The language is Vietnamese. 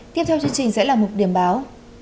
tiếp theo chương trình sẽ là một điểm báo